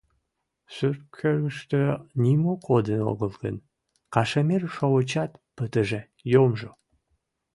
Сурткӧргыштӧ нимо кодын огыл гын, кашемир шовычат пытыже, йомжо.